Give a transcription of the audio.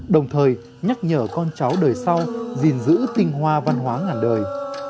đồng thời nhắc nhở con cháu đời sau gìn giữ tinh hoa văn hóa ngàn đời